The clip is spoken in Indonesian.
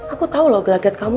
aku tahu loh gelagat kamu